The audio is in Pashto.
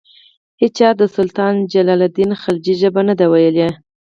هیچا د سلطان جلال الدین خلجي ژبه نه ده ویلي.